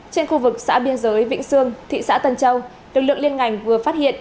trên khu vực xã biên giới vĩnh sương thị xã tân châu lực lượng liên ngành vừa phát hiện